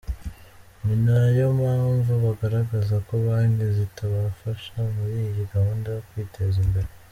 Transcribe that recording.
Nina yo mpamvu bagaragaza ko banki zitabafasha muri iyi gahunda yo kwiteza imbere.